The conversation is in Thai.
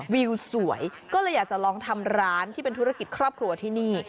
วิวสวยก็เลยอยากจะลองทำร้านที่เป็นธุรกิจครอบครัวที่นี่